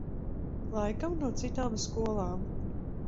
Laikam no citām skolām.